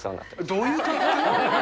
どういう感覚？